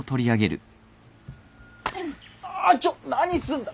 ちょっ何すんだ！